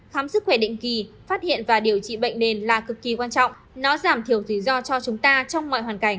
thám sức khỏe định kỳ phát hiện và điều trị bệnh nền là cực kỳ quan trọng nó giảm thiểu tùy do cho chúng ta trong mọi hoàn cảnh mọi thời điểm